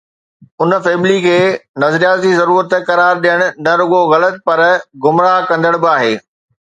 ان فيصلي کي ”نظرياتي ضرورت“ قرار ڏيڻ نه رڳو غلط پر گمراهه ڪندڙ به آهي.